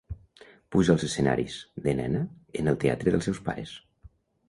Puja als escenaris, de nena, en el teatre dels seus pares.